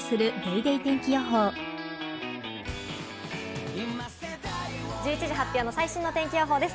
ニトリ１１時発表の最新の天気予報です。